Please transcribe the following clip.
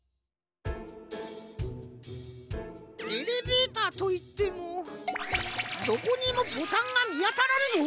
エレベーターといってもどこにもボタンがみあたらんぞ。